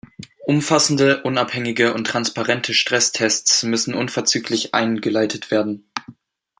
Umfassende, unabhängige und transparente Stresstests müssen unverzüglich eingeleitet werden.